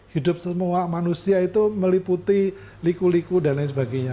hidup semua manusia itu meliputi liku liku dan lain sebagainya